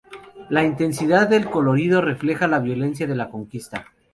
La intensidad del colorido refleja la violencia de la conquista.